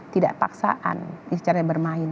tidak paksaan cara bermain